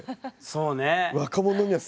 そうね。